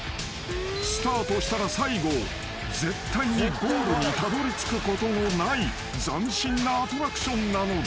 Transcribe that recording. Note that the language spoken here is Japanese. ［スタートしたら最後絶対にゴールにたどりつくことのない斬新なアトラクションなのだ］